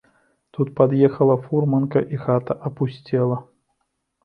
Тут пад'ехала фурманка, і хата апусцела.